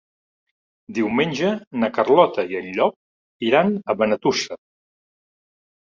Diumenge na Carlota i en Llop iran a Benetússer.